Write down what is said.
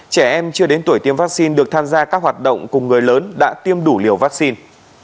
trẻ em chưa đến tuổi tiêm vaccine được tham gia các hoạt động cùng người lớn đã tiêm đủ liều vaccine